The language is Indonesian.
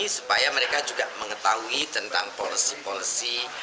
supaya mereka juga mengetahui tentang polisi polisi